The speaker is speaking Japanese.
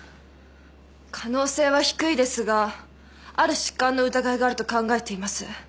可能性は低いですがある疾患の疑いがあると考えています。